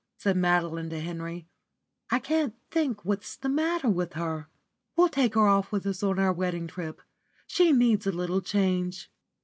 said Madeline to Henry. "I can't think what's the matter with her. We'll take her off with us on our wedding trip. She needs a little change."